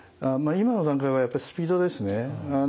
今の段階はやっぱスピードですね。